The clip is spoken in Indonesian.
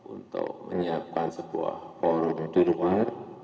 untuk menyiapkan sebuah forum di luar